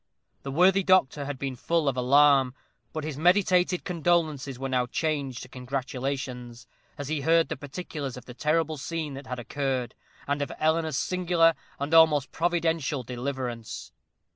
The worthy doctor had been full of alarm; but his meditated condolences were now changed to congratulations, as he heard the particulars of the terrible scene that had occurred, and of Eleanor's singular and almost providential deliverance.